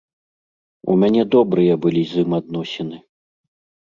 У мяне добрыя былі з ім адносіны.